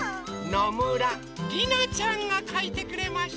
のむらりなちゃんがかいてくれました。